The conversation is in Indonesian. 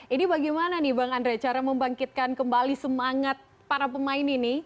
ini bagaimana nih bang andre cara membangkitkan kembali semangat para pemain ini